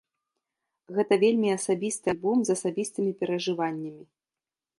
Гэта вельмі асабісты альбом з асабістымі перажываннямі.